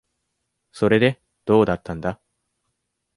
それで、どうだったんだ。